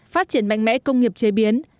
phát triển mạnh mẽ công nghiệp chế biến